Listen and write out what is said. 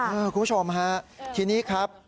คุณผู้ชมฮะทีนี้ครับ